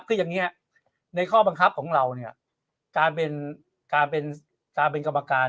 เคลียร์ในข้อบังคับของเราเนี่ยการเป็นการเป็นการเป็นกรรมการ